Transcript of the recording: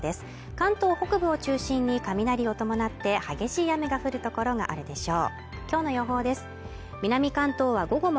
関東北部を中心に雷を伴って激しい雨が降る所があるでしょう